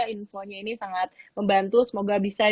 infonya ini sangat membantu semoga bisa